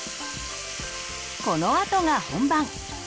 このあとが本番！